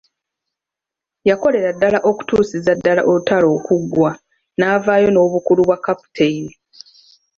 Yakolera ddala okutuusiza ddala olutalo okuggwa n'avaayo n'obukulu bwa Captain.